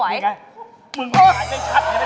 นี่ไง